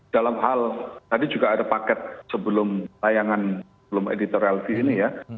dalam hal tadi juga ada paket sebelum layangan sebelum editorial disini ya